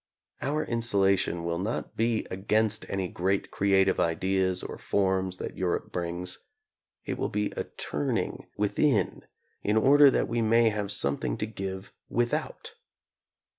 Our insulation will not be against any great crea tive ideas or forms that Europe brings. It will be a turning within in order that we may have some thing to give without.